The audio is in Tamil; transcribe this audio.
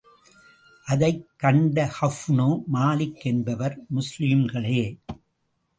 அதைக் கண்ட கஃபுப்னு மாலிக் என்பவர், முஸ்லிம்களே!